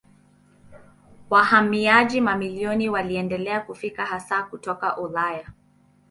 Wahamiaji mamilioni waliendelea kufika hasa kutoka Ulaya.